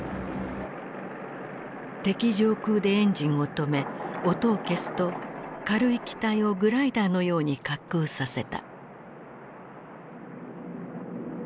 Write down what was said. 敵上空でエンジンを止め音を消すと軽い機体をグライダーのように滑空させた。